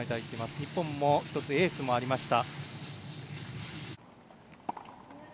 日本、１つエースもありました。